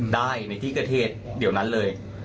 ได้ในที่เกิดเหตุเดี๋ยวนั้นเลย